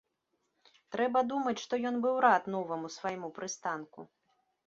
Трэба думаць што ён быў рад новаму свайму прыстанку.